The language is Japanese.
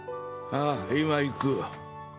ああ今行く。